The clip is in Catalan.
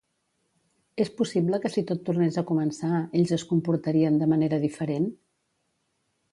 És possible que si tot tornés a començar, ells es comportarien de manera diferent?